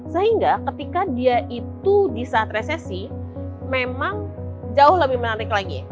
sehingga ketika dia itu di saat resesi memang jauh lebih menarik lagi